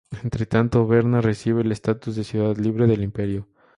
Entre tanto, Berna recibe el estatus de ciudad libre del Imperio.